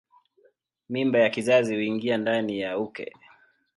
Mimba ya kizazi huingia ndani ya uke.